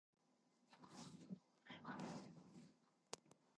Every man likes to flirt with a pretty girl.